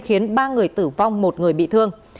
khiến ba người tử vong một người bị thương